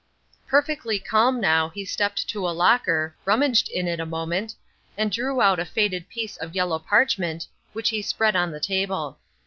Perfectly calm now, he stepped to a locker, rummaged in it a moment, and drew out a faded piece of yellow parchment, which he spread on the table.